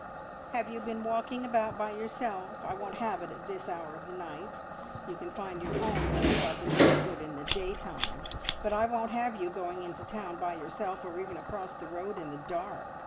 "Have you been walking about by yourself? I won't have it at this hour of the night. You can find your own way about the neighbourhood in the daytime, but I won't have you going into town by yourself, or even across the road in the dark.